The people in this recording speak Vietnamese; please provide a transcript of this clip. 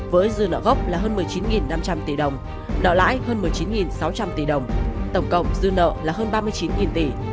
với dư nợ gốc là hơn một mươi chín năm trăm linh tỷ đồng nợ lãi hơn một mươi chín sáu trăm linh tỷ đồng tổng cộng dư nợ là hơn ba mươi chín tỷ